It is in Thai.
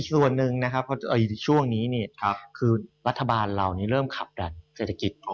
ส่วนนึงที่ช่วงนี้เนี่ยคือรัฐบาลเราเริ่มขับแรดเศรษฐกิจ